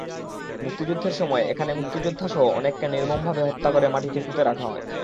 মুক্তিযুদ্ধের সময় এখানে মুক্তিযোদ্ধাসহ অনেককে নির্মমভাবে হত্যা করে মাটিতে পুঁতে রাখা হয়।